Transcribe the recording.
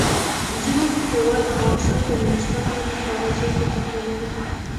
زموږ هیواد افغانستان په نورستان باندې خورا زیاته تکیه لري.